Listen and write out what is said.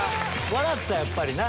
笑ったらやっぱりな。